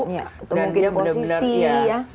atau mungkin posisi ya